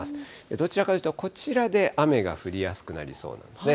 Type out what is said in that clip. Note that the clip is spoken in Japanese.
どちらかというと、こちらで雨が降りやすくなりそうなんですね。